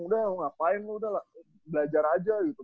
udah ngapain lu udah belajar aja gitu